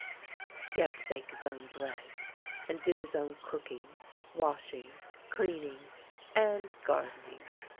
He had to bake his own bread, and do his own cooking, washing, cleaning, and gardening.